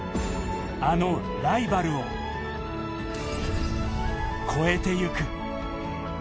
あのライバルを。超えていく。